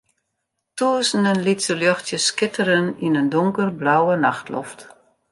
Tûzenen lytse ljochtsjes skitteren yn in donkerblauwe nachtloft.